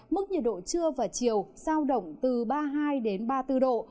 mức nhiệt độ trưa và chiều sao động từ ba mươi hai ba mươi bốn độ